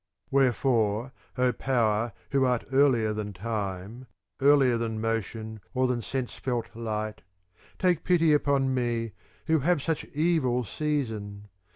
Wherefore, O power who art earlier than time, ear lier than motion or than sense felt light, take pity upon me who have such evil season.